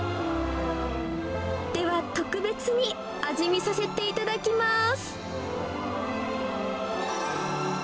では特別に、味見させていただきます。